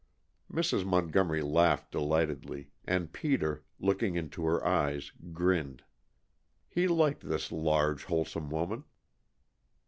Mrs. Montgomery laughed delightedly, and Peter, looking into her eyes, grinned. He liked this large, wholesome woman.